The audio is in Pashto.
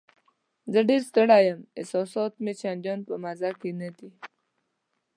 زه ډېره ستړې یم، احساسات مې چندان په مزه کې نه دي.